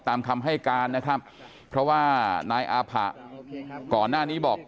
ตามคำให้การนะครับเพราะว่านายอาผะก่อนหน้านี้บอก